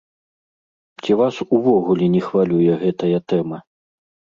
Ці вас увогуле не хвалюе гэтая тэма?